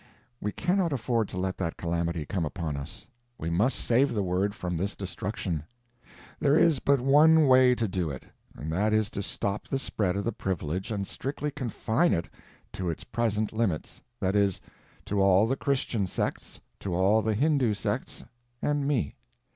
We cannot afford to let that calamity come upon us. We must save the word from this destruction. There is but one way to do it, and that is to stop the spread of the privilege and strictly confine it to its present limits—that is, to all the Christian sects, to all the Hindu sects, and me.